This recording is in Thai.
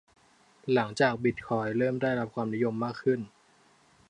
หลังจากที่บิตคอยน์เริ่มได้รับความนิยมมากขึ้น